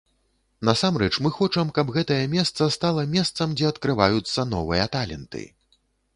Насамрэч мы хочам, каб гэтае месца стала месцам, дзе адкрываюцца новыя таленты.